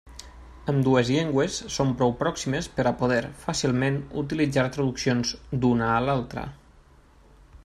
Ambdues llengües són prou pròximes per a poder, fàcilment, utilitzar traduccions d'una a l'altra.